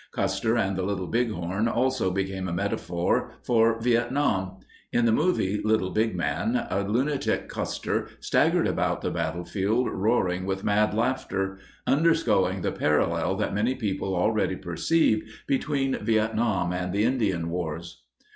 Custer and the Little Bighorn also became a metaphor for Vietnam. In the movie "Little Big Man," a lunatic Custer staggered about the battlefield roaring with mad laughter, underscoring the parallel that many people already perceived between Vietnam and the Indian Wars.